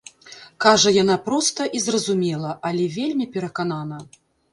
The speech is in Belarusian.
Кажа яна проста і зразумела, але вельмі пераканана.